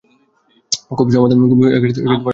খুব সাবধান হতে হবে।